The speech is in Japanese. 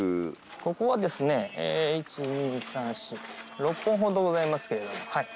ここはですね１２３４６本ほどございますけれどもはい。